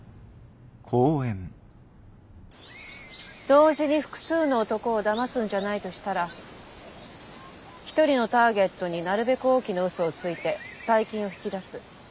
同時に複数の男をだますんじゃないとしたら一人のターゲットになるべく大きなウソをついて大金を引き出す。